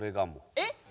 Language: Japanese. えっ。